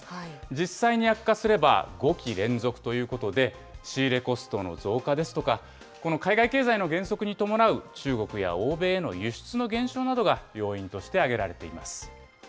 実際に悪化すれば５期連続ということで、仕入れコストの増加ですとか、この海外経済の減速に伴う、中国や欧米への輸出の減少などが要因として挙げられています。